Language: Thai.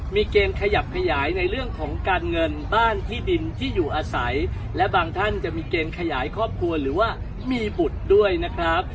มีเกณฑ์ขยับขยายในเรื่องของการเงินบ้านที่ดินที่อยู่อาศัยและบางท่านจะมีเกณฑ์ขยายครอบครัวหรือว่ามีบุตรด้วยนะครับ